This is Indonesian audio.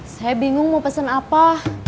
saya bingung mau pesen apa